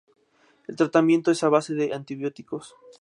El tratamiento es a base de antibióticos.